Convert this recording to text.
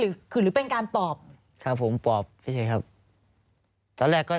หรือคือหรือเป็นการปอบครับผมปอบเฉยครับตอนแรกก็